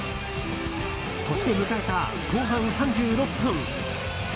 そして迎えた後半３６分。